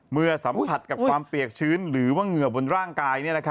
เมื่อสัมผัสกับความเปียกชื้นหรือว่าเหงื่อบนร่างกาย